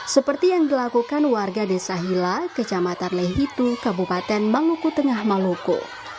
seperti yang dilakukan warga desa hila kecamatan lehitu kabupaten maluku tengah maluku